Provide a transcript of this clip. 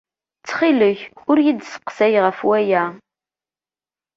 Ttxil-k, ur iyi-d-sseqsay ɣef waya.